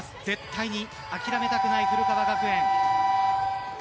絶対に諦めたくない古川学園。